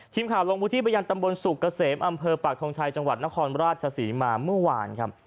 ทีมข่าวลงพื้นที่ไปยังตำบลสุกเกษมอำเภอปากทงชัยจังหวัดนครราชศรีมาเมื่อวานครับ